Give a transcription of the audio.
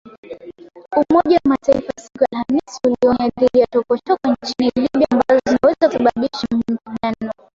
Umoja wa Mataifa siku ya Alhamis ulionya dhidi ya “chokochoko” nchini Libya ambazo zinaweza kusababisha mapigano.